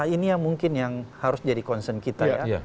ini yang mungkin yang harus jadi concern kita ya